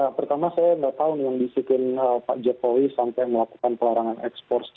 ya pertama saya tidak tahu yang disikin pak jepowi sampai melakukan pelarangan ekspor ini siapa